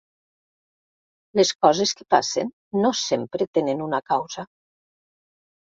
Les coses que passen no sempre tenen una causa.